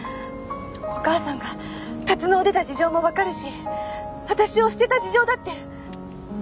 お母さんが龍野を出た事情も分かるし私を捨てた事情だって理解できます。